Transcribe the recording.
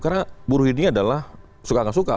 karena buru ini adalah suka nggak suka